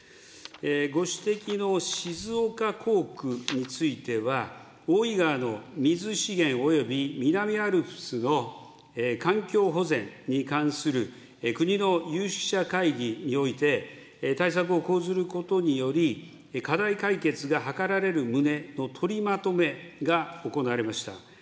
ご指摘の静岡工区については、大井川の水資源および南アルプスの環境保全に関する国の有識者会議において、対策を講ずることにより、課題解決が図られる旨の取りまとめが行われました。